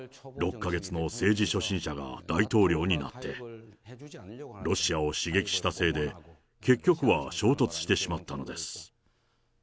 ６か月の政治初心者が大統領になって、ロシアを刺激したせいで、結局は衝突してしまったのです。